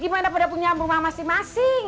gimana pada punya rumah masing masing